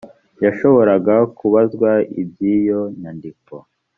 yashoboraga kubazwa iby iyo nyandiko